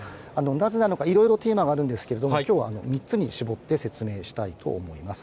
なぜなのか、いろいろテーマがあるんですけれども、きょうは３つに絞って説明したいと思います。